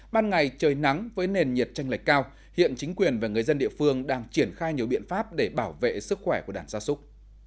ban ngày trời nắng với nền nhiệt tranh lệch cao hiện chính quyền và người dân địa phương đang triển khai nhiều biện pháp để bảo vệ sức khỏe của đàn gia súc